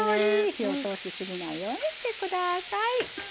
火を通しすぎないようにしてください。